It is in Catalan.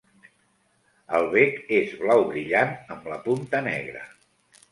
El bec és blau brillant amb la punta negra.